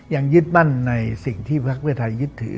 ยังยึดมั่นในสิ่งที่พักเพื่อไทยยึดถือ